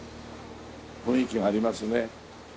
雰囲気がありますね。